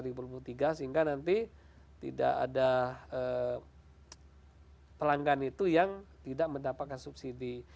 nanti akan kita koordinasikan untuk dua ribu dua puluh tiga sehingga nanti tidak ada pelanggan itu yang tidak mendapatkan subsidi